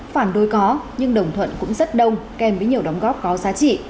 phản đối có nhưng đồng thuận cũng rất đông kèm với nhiều đóng góp có giá trị